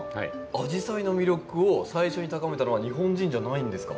アジサイの魅力を最初に高めたのは日本人じゃないんですか？